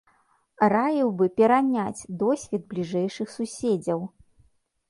Раіў бы пераняць досвед бліжэйшых суседзяў.